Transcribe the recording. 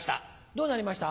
どうなりました？